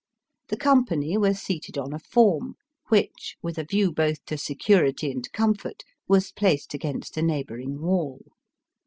The company were seated on a form, which, with a view both to security and comfort, was placed against a neighbouring wall.